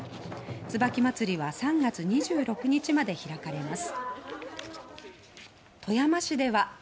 椿まつりは３月２６日まで開かれます。